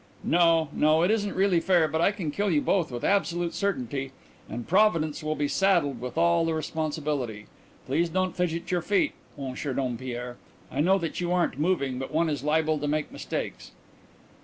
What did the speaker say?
No, no, it isn't really fair but I can kill you both with absolute certainty and Providence will be saddled with all the responsibility. Please don't fidget with your feet, Monsieur Dompierre. I know that you aren't moving but one is liable to make mistakes."